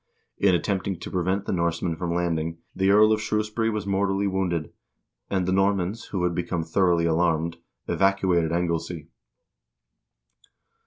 In attempting to prevent the Norsemen from landing, the Earl of Shrewsbury was mortally wounded, and the Normans, who had become thoroughly alarmed, evacuated Anglesea.